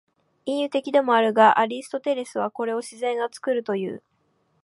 隠喩的でもあるが、アリストテレスはこれを「自然が作る」という。